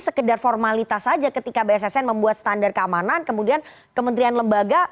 sekedar formalitas saja ketika bssn membuat standar keamanan kemudian kementerian lembaga